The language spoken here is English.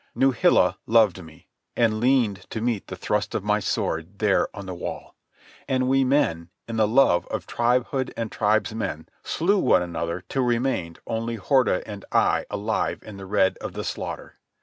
Nuhila loved me, and leaned to meet the thrust of my sword, there on the wall. And we men, in the love of tribehood and tribesmen, slew one another till remained only Horda and I alive in the red of the slaughter.